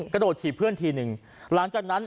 กระโดดถีบเพื่อนทีหนึ่งหลังจากนั้น